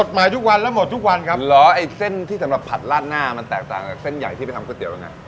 หมายทุกวันแล้วหมดทุกวันครับเหรอไอ้เส้นที่สำหรับผัดลาดหน้ามันแตกต่างจากเส้นใหญ่ที่ไปทำก๋วน่ะ